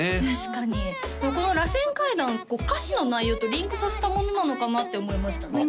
確かにこのらせん階段は歌詞の内容とリンクさせたものなのかなって思いました